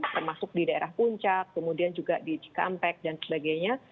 termasuk di daerah puncak kemudian juga di cikampek dan sebagainya